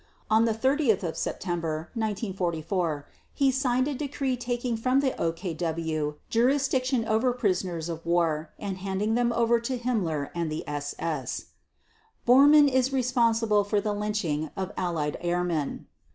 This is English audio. On 30 September 1944 he signed a decree taking from the OKW jurisdiction over prisoners of war and handing them over to Himmler and the SS. Bormann is responsible for the lynching of Allied airmen.